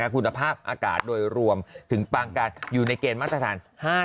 คุณภาพอากาศโดยรวมถึงปางการอยู่ในเกณฑ์มาตรฐาน๕๐